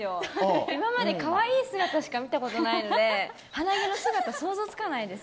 今まで可愛い姿しか見たことないので鼻毛の姿想像つかないです。